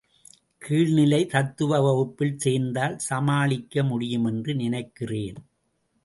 கீழ்நிலை, தத்துவ வகுப்பில் சேர்ந்தால் சமாளிக்க முடியுமென்று நினைக்கிறேன்.